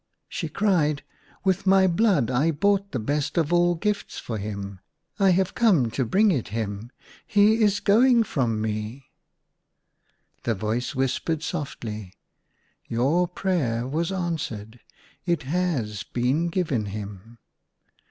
She cried, " With my blood I bought the best of all gifts for him. I have come to bring it him ! He is going from me 1 " The voice whispered sofdy, " Your prayer was answered. It has been given him."